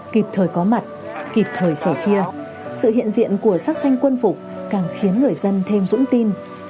kịp thời có mặt kịp thời sẻ chia sự hiện diện của sắc xanh quân phục càng khiến người dân thêm vững tin